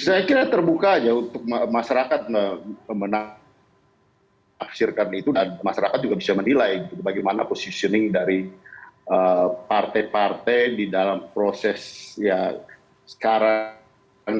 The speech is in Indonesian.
saya kira terbuka aja untuk masyarakat menaksirkan itu dan masyarakat juga bisa menilai bagaimana positioning dari partai partai di dalam proses ya sekarang